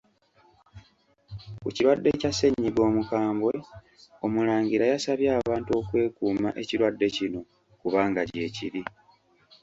Ku kirwadde kya ssennyiga omukambwe, Omulangira yasabye abantu okwekuuma ekirwadde kino kubanga gyekiri.